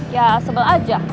ya sebel aja